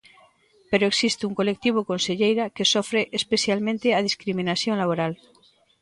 Pero existe un colectivo, conselleira, que sofre especialmente a discriminación laboral.